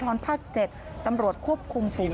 โชว์บ้านในพื้นที่เขารู้สึกยังไงกับเรื่องที่เกิดขึ้น